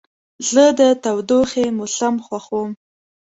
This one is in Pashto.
زه د تودوخې موسم خوښوم.